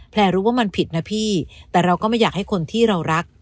รู้ว่ามันผิดนะพี่แต่เราก็ไม่อยากให้คนที่เรารัก